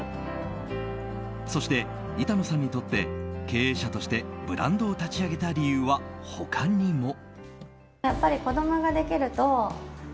そして、板野さんにとって経営者としてブランドを立ち上げた理由は他にも。